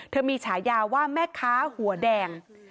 มีฉายาว่าแม่ค้าหัวแดง